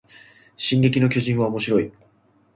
進撃の巨人はおもしろい